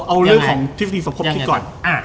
เอาเรื่องของที่พี่สภพคิดก่อน